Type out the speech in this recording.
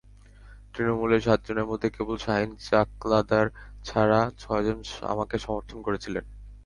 তৃণমূলের সাতজনের মধ্যে কেবল শাহীন চাকলাদার ছাড়া ছয়জন আমাকে সমর্থন করেছিলেন।